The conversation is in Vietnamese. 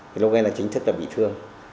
thì lúc ấy là chính thức là bị thương